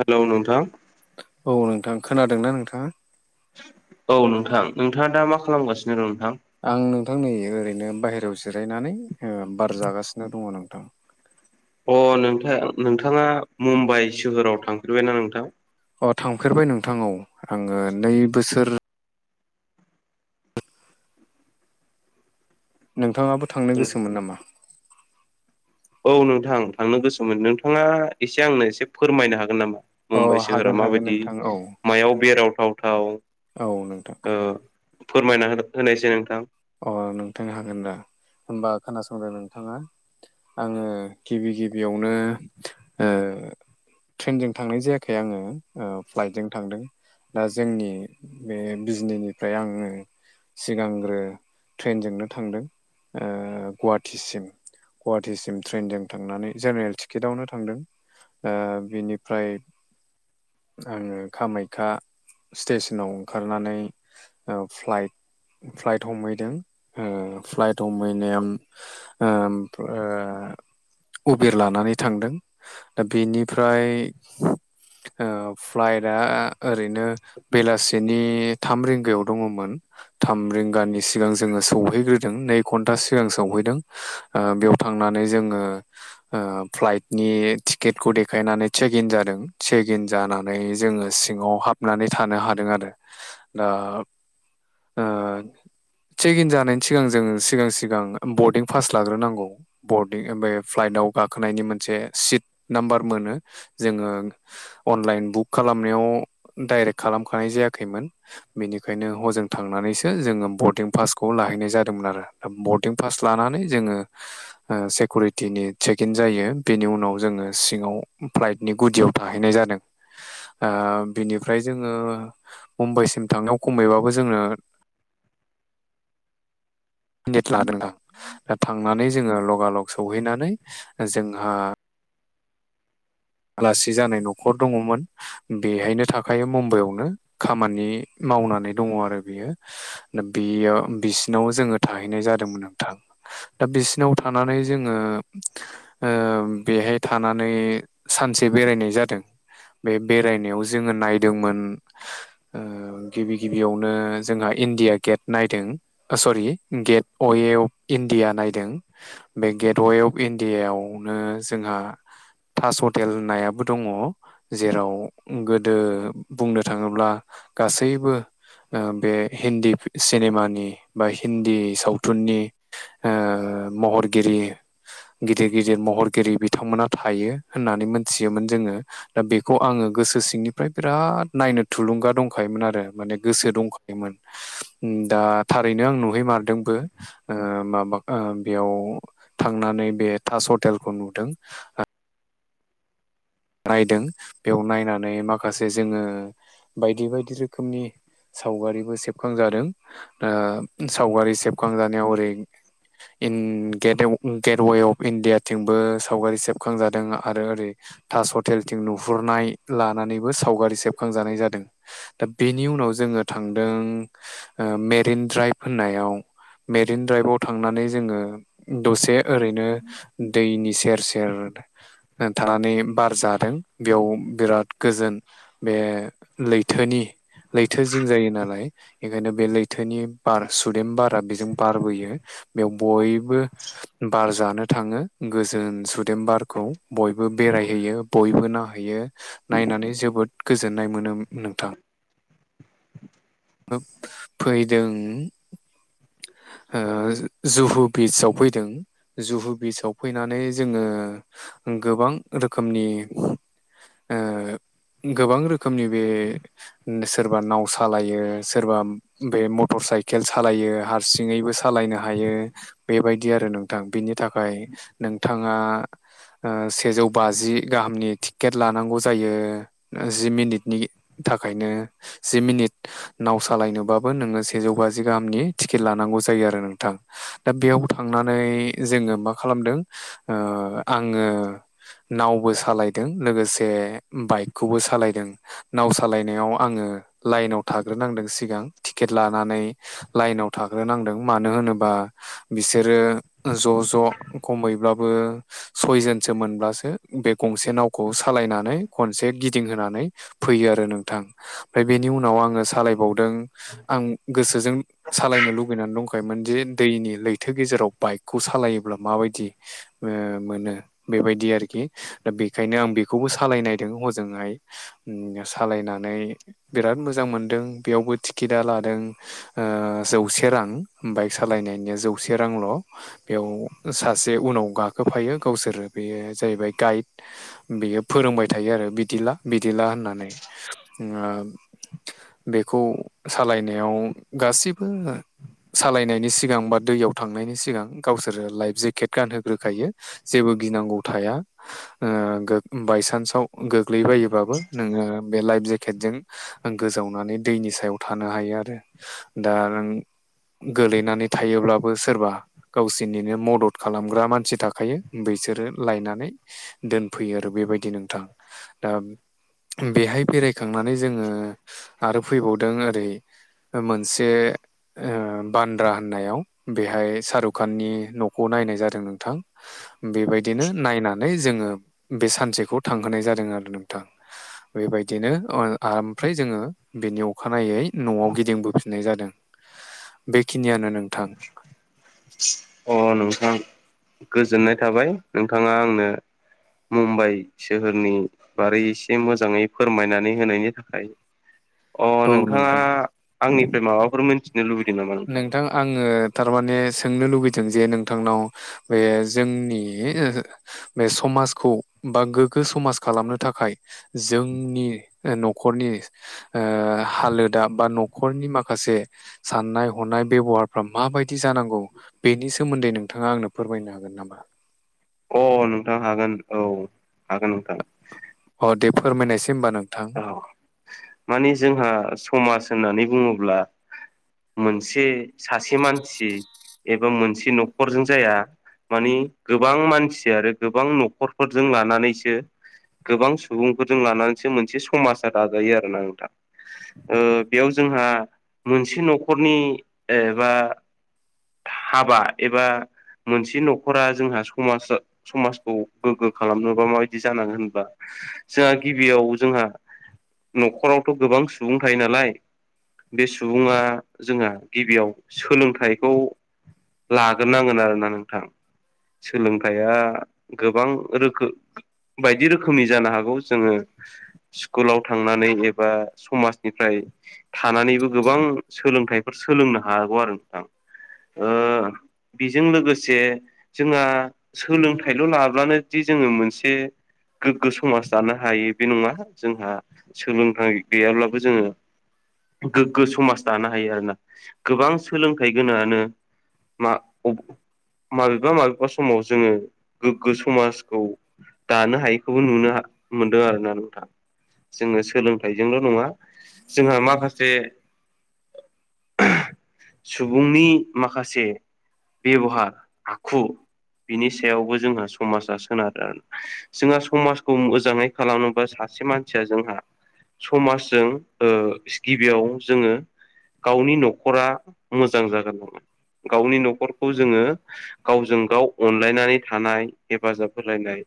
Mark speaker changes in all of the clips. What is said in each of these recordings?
Speaker 1: Hello नोंथां
Speaker 2: औ नोंथां खोनादोंना नोंथाङा?
Speaker 1: औ नोंथां। नोंथाङा दा मा खालामगासिनो दं नोंथां?
Speaker 2: आं नोंथां नै ओरैनो बाहेरायाव जिरायनानै बार जागासिनो दङ नोंथां।
Speaker 1: अह नोंथां नोंथाङा मुम्बाइ सोहोराव थांफेरबायना नोंथां?
Speaker 2: अ थांफेरबाय नोंथां औ आङो नै बोसोर नोंथाङाबो थांनो गोसोमोन नामा?
Speaker 1: औ नोंथां थांनो गोसोमोन नोंथाङा एसे आंनो एसे फोरमायनो हागोन नामा
Speaker 2: अ
Speaker 1: मुम्बाइ
Speaker 2: हागोन
Speaker 1: सोहोरा
Speaker 2: हागोन
Speaker 1: माबायदि
Speaker 2: नोंथां औ
Speaker 1: मायाव बेरावथाव थाव
Speaker 2: औ नोंथां।
Speaker 1: फोरमायना होनायसै नोंथां।
Speaker 2: अह नोंथां हागोन दा, होमबा खोनासंदों नोंथाङा। आङो गिबि गिबियावनो ट्रेनजों थांनाय जायाखै आङो फ्लाइटजों थांदों। दा जोंनि बे बिजनेसनिफ्राय आङो सिगांग्रो ट्रेनजोंनो थांदों गुवाहाटिसिम। गुवाहाटिसिम ट्रेनजों थांनानै जेनेरेल टिकेटावनो थांदों। बिनिफ्राय आङो कामाख्या स्टेसनाव ओंखारनानै फ्लाइट फ्लाइट हमहै हमदों। फ्लाइट हमहैनायाव ओमफ्राय उबेर लानानै थांदों। दा बेनिफ्राय फ्लाइटआ ओरैनो बेलासेनि थाम रिंगायाव दङमोन। थाम रिंगानि सि सिगां जोङो सौहैग्रोदों नै घन्टा सिगां सौहैदों। बेयाव थांनानै जोङो फ्लाइटनि टिकेटखौ देखायनानै चेक इन जादों चेक इन जाना नै जोङो सिङाव हाबनानै थानो हादों आरो दा ओ चेक इन जानायनि सिगां जोङो सिगां सिगां बरडिं पास लाग्रोनांगौ। बरडं बे फ्लाइटआव गाखोनायनि मोनसे सिट नाम्बार मोनो। जोङो अनलाइन बुक खालामनायाव डाइरेक्ट खालामखानाय जायाखैमोन। बेनिखायनो हजों थांनानैसो जोङो बरदिं पासखौ लाहैनाय जादोंमोन आरो दा बरडं पास लानानै जोङो सिकिरिटिनि चेक इन जायो बेनि उनाव जोङो सिङाव फ्लाइट गुदियाव थाहैनाय जादों। बिनिफ्राय जोङो मुम्बाइसिम थांनायाव खमैबाबो जोंनो देट लादों आं। दा थांनानै जोङो लगालग सौहैनानै जोंहा आलासि जानाय न'खर दङमोन। बेहायनो थाखायो मुम्बाइआवनो खामानि मावनानै दङ आरो बेयो। दा बेयाव बिसिनाव जोङो थाहैनाय जादोंमोन नोंथां। दा बिसिनाव थानानै जोङो बेहाय थानानै सानसे बेरायनाय जादों बे बेरायनायाव जोंङो नायदोंमोन ओ गिबि गिबियावनो जोंहा इण्डिया गेट नायदों। Sorry gateway of India नायदों। बे गेटवे अफ इण्डियाआवनो जोंहा थास हटेल होननायाबो दंङ। जेराव गोदो बुंनो थांङोब्ला गासैबो ओ बे हिन्दी सिनेमानि बा हिन्दी सावथुननि ओ महरगिरि गिदिर गिदिर महरगिरि बिथांमोना थायो। होननानै मोनथियोमोन जोंङो। दा बेखौ आंङो गोसो सिंनिफ्राय बिराद नायनो थुलुंगा दंखायोमोन आरो माने गोसो दंखायोमोन। दा थारैनो आं नुहै मारदोंबो। ओ माबा ओ बेयाव थांनानै बे ताज हटेलखौ नुदों। नायदों बेयाव नायनानै माखासे जोंङो बायदि बायदि रोखोमनि सावगारिबो सेबखांजादों ओ सावगारि सेबखांजानायाव ओरै गेटवे अफ इण्डियाथिंबो सावगारि सेबखांजादों आरो ओरै तास हटेलथिं नुहुरनाय लानानैबो सावगारि सेबखांजानाय जादों। दबेनि उनाव जोंङो थांदों ओ मेरिन द्राइभ होननायाव। मेरिन द्राइभआव थांनानै जोंङो दसे ओरैनो दैनि सेर सेर थानानै बार जादों बेयाव बिराद गोजोन बे लैथोनि लैथो जिं जायो नालाय बेखायनो बे लैथोनि बार सुदेम बार बिजों बारबोयो बेयाव बयबो बार जानो थांङो गोजोन सु सुदेमबारखौ बयबो बेराय यो बयबो नायहैयो नायनानै जोबोद गोजोननाय मोनो नोंथां। फैदों ओ जुहु बि्सआव फैदों जुहु बिस्आव फैनानै जोंङो गोबां रोखोमनि ओ गोबां रोखोमनि बे सोरबा नाव सालायो सोरबा बे मटर साइकेल सालायो हारसिंङैबो सालायनो हायो बेबायदि आरो नोंथां बिनि थाखाय नोंथाङां ओ सेजौ बाजि गाहामनि टिकेट लानांगौ जायो जि मिनिटनि थाखायनो जि मिनिट नाव सालायनोबाबो नोंङो सेजौ बाजि गाहामनि टिकेट लानांगौ जायो आरो नोंथां। दा बेयाव थांनानै जोंङो मा खालामदों ओ आंङो नावबो सालायदों लोगोसे बाइकखौबो सालायदों। नाव सालायनायाव आंङो लाइनाव था नांदों सिगां टिकेट लानानै लाइनाव थाग्रोनांदों मानो होनोबा बिसोरो ज' ज' ख'मैब्लाबो सयजनसो मोनब्लासो बे गंसे नावखौ सालायनानै खनसे गिदिंहोनानै फैयो आरो नोंथां ओमफ्राय बेनि उनाव आंङो सालायबावदों आं गोसोजों सालायनो लुगैनानै दंखायोमोन जे दैनि लैथो गेजेराव बाइकखौ सालायोब्ला माबायदि ओ मोनो बेबायदि आरोखि बेखायनो आं बेखौबो सालायनायदों हजोंहाय ओम सालायनानै बिराद मोजां मोनदों बेयावबो टिकेटा लादों ओ जौसे रां बाइक सालायनायनि जौसे रांल' बेयाव सासे उनाव गाखोफायो गावसोरो बेयो जाहैबाय गाइड् बेयो फोरोंबाय थायो आरो बिदिला बिदिला होननानै ओं बेखौ सालायनायाव गासिबो सालायनायनि सिगां बा दैयाव थांनायनि सिगां गावसोरो लाइफ जेकेट गानहोग्रोखायो। जेबो गिनांगौ थाया। ओ बायसान्साव गोग्लैबायोबाबो नोङो बे लाइफ जेकेटजों गोजावनानै दैनि सायाव थानो हायो आरो दा नों गोलैनानै थायोब्लाबो सोरबा गावसोरनिनो मदद खालामग्रा मानसि थाखायो बेसोरो लायनानै दोनफैयो आरो बेबायदि नोंथां दा बेहाय बेरायखांनानै जोङो आरो फैबावदों ओरै मोनसे ओ बान्द्रा होननायाव बेहाय शाहरुखाननि न'खौ नायनाय जादों नोंथां बेबायदिनो नायनानै जोङो बे सानसेखौ थांहोनाय जादों आरो नोंथां बेबायदिनो आमफ्राय जोङो बेनि अखानायै न'आव गिदिंबोफिननाय जादों बेखिनियानो नोंथां
Speaker 1: अ नोंथां गोजोननाय थाबाय नोंथाङा आंनो मुम्बाइ सोहोरनि बारै एसे मोजाङै फोरमायनानै होनायनि थाखाय। अ
Speaker 2: औ
Speaker 1: नोंथाङा
Speaker 2: नोंथां
Speaker 1: आंनिफ्राय माबाफोर मोनथिनो लुबैदों नामा नोंथाङा
Speaker 2: नोंथां आङो थारमाने सोंनो लुबैदों जे नोंथांनाव बे जोंनि बे समाजखौ बा गोग्गो समाज खालामनो थाखाय जोंनि न'खरनि हालोदा बा न'खरनि माखासे साननाय हरनाय बेब'हारफ्रा मा बायदि जानांगौ बेनि सोमोन्दै नोंथाङा आंनो फोरमायनो हागोन नामा?
Speaker 1: अ नोंथां हागोन औ हागोन नोंथां।
Speaker 2: अ दे फोरमायनोसै होनबा नोंथां।
Speaker 1: माने जोंहा समाज होननानै बुङोब्ला मोनसे सासे मानसि एबा मोनसे न'खरजों जाया मानि गोबां मानसि आरो गोबां न'खरफोरजों लानानैसो गोबां सुबुंफोरजों लानानैसो मोनसे समाजा दाजायो आरोना नोंथां। बेयाव जोंहा मोनसे न'खरनि बा हाबा एबा मोनसे न'खरा जोंहा समाज समाजखौ गोग्गो खालामनोबा मा बायदि जानांगोन होनबा, जोंहा गिबियाव जोंहा न'खरावथ' गोबां सुबुं थायो नालाय बे सुबुङा जोंहा गिबियाव सोलोंथाइखौ लाग्रोनांगोन आरोना नोंथां। सोलोंथाइया गोबां रोखोम बायदि रोखोमनि जानो हागौ जोङो स्कुलाव थांनानै एबा समाजनिफ्राय थानानैबो गोबां सोलोंथाइफोर सोलोंनो हागौ आरो नोंथां। बेजों लोगोसे जोंहा सोलोंथाइल' लाब्लानो दि जोङो मोनसे गोग्गो समाज जानो हायो। बे नङा जोंहा सोलोंथाइ गैयाब्लाबो जोङो गोग्गो समाज दानो हायो आरोना। गोबां सोलोंथाइ गोनाङानो माबेबा माबेबा समाव जोङो गोग्गो समाजखौ दानो हायैखौबो नुनो मोनदों आरो ना नोंथां। जोङो सोलोंथाइजोंल' नङा जोंहा माखासे सुबुंनि माखासे बेबहार आखु बिनि सायावबो जोंहा समाजा सोनारो। जोंहा समाजखौ मोजाङै खालामनो बा सासे मानसिया जोंहा समाजजों गिबियाव जोङो गावनि न'खरा मोजां जागोन नांगोन। गावनि न'खरखौ जोङो गावजों गाव अनलायनानै थानाय हेफाजाब होलायनाय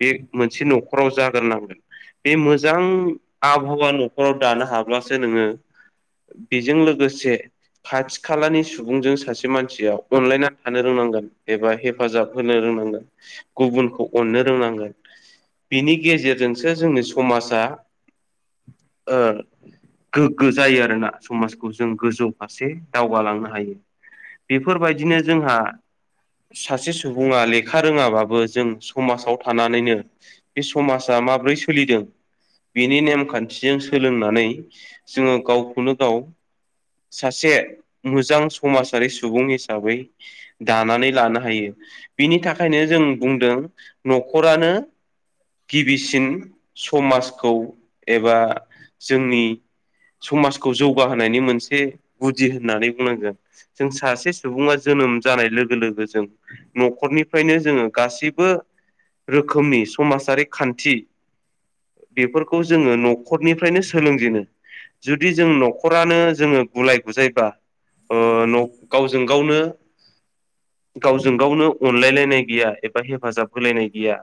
Speaker 1: बे मोनसे न'खराव जाग्रोनांगोन। बे मोजां आबहावा न'खराव दानो हाब्लासो नोङो बेजों लोगोसे खाथि खालानि सुबुंजों सासे मानसिया अनलायनानै थानो रोंनांगोन। एबा हेफाजाब होनो रोंनांगोन गुबुनखौ अननो रोंनांगोन बिनि गेजेरजोंसो जोंनि समाजा गोग्गो जायो आरो ना समाजखौ जों गोजौ फारसे दावगालांनो हायो। बेफोरबायदिनो जोंहा सासे सुबुङा लेखा रोङाबाबो जों समाजाव थानानैनो बे समाजा माब्रै सोलिदों बिनि नेमखान्थिजों सोलोंनानै जोङो गावखौनो गाव सासे मोजां समाजारि सुबुं हिसाबै दानानै लानो हायो बिनि थाखायनो जों बुंदों न'खरानो गिबिसिन समाजखौ एबा जोंनि समाजखौ जौगाहोनायनि मोनसे गुदि होननानै बुंनांगोन। जों सासे सुबुङा जोनोम जानाय लोगो लोगो जों न'खरनिफ्रायनो जोङो गासैबो रोखोमनि समाजारि खान्थि बेफोरखौ जोङो न'खरनिफ्रायनो सोलोंजेनो जुदि जों न'खरानो जोङो गुलाय गुजायबा गावजों गावनो गावजों गावनो अनलायलायनाय गैया एबा हेफाजाब होलायनाय गैया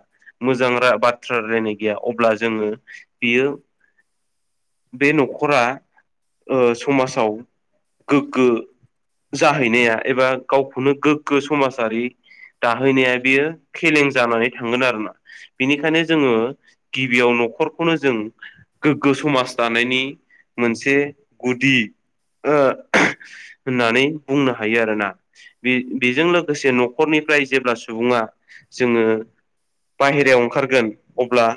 Speaker 1: मोजां बाथ्रा रायनाय गैया अब्ला जोङो बियो। बे न'खरा समाजाव गोग्गो जाहैनाया एबा गावखौनो गोग्गो समाजारि दाहैनाया बियो फेलें जानानै थांगोन आरोना बिनिखायनो जोङो गिबियाव न'खरखौनो जों गोग्गो समाज दानायनि मोनसे गुदि होननानै बुंनो हायो आरोना बे बेजों लोगोसे न'खरनिफ्राय जेब्ला सुबुङा जोङो बाहेरायाव ओंखारगोन अब्ला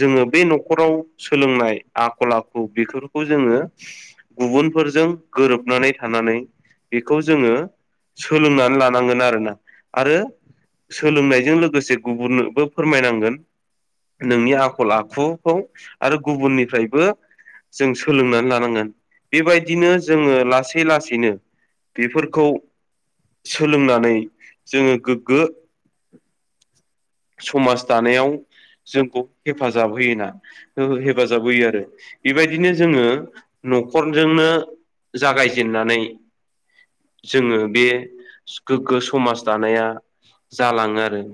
Speaker 1: जोङो बे न'खराव सोलोंनाय आखल आखु बेफोरखौ जोङो गुबुनफोरजों गोरोबनानै थानानै बेखौ जोङो सोलोंनानै लानांगोन आरोना आरो सोलोंनायजों लोगोसे गुबुननोबो फोरमायनांगोन नोंनि आ आखल आखुखौ आरो गुबुननिफ्रायबो जों सोलोंनानै लानांगोन बेबायदिनो जोङो लासै लासैनो बेफोरखौ सोलोंनानै जोङो गोग्गो समाज दानायाव जोंखौ हेफाजाब होयोना। हेफाजाब होयो आरो बेबायदिनो जोङो न'खरजोंनो जागायजेनन्नानै जोङो बे गोग्गो समाज दानाया जालाङो आरो।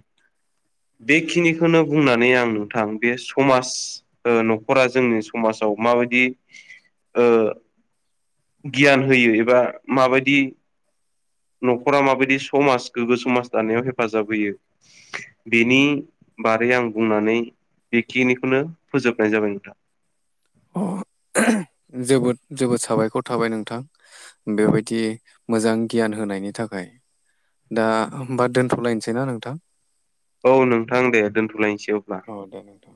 Speaker 1: बेखिनिखौनो बुंनानै आं नोंथां बे समाज न'खरा जोंनि समाजाव माबायदि गियान होयो एबा माबायदि न'खरा माबायदि समाज गोग्गो समाज दानायाव हेफाजाब होयो। बेनि बारै आं बुंनानै बेखिनिखौनो फोजोबनाय जाबाय नोंथां।
Speaker 2: अ जोबोद जोबोद साबायखर थाबाय नोंथां। बेबायदि मोजां गियान होनायनि थाखाय दा हबा दोनथ'लायनोसै ना नोंथां।
Speaker 1: औ नोंथां दे दोन्थ'लायनोसै अब्ला
Speaker 2: औ दे नोंथां।